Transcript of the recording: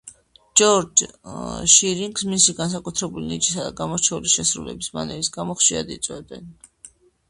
ჯორჯ შირინგს, მისი განსაკუთრებული ნიჭისა და გამორჩეული შესრულების მანერის გამო ხშირად იწვევდნენ.